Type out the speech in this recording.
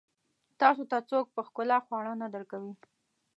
تاسو ته څوک په ښکلا خواړه نه درکوي.